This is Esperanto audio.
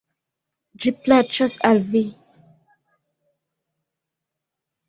Ĝi plaĉas al vi!